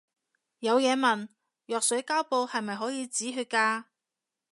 有嘢問，藥水膠布係咪可以止血㗎